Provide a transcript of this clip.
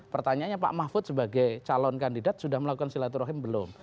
pertanyaannya pak mahfud sebagai calon kandidat sudah melakukan silaturahim belum